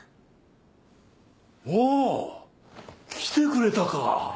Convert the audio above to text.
おお！来てくれたか。